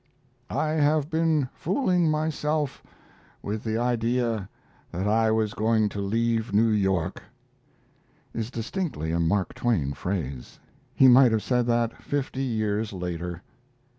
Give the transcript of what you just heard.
"I have been fooling myself with the idea that I was going to leave New York" is distinctly a Mark Twain phrase. He might have said that fifty years later.